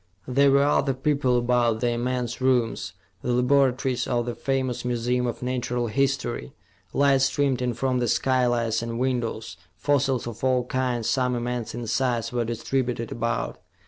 There were other people about the immense rooms, the laboratories of the famous Museum of Natural History. Light streamed in from the skylights and windows; fossils of all kinds, some immense in size, were distributed about.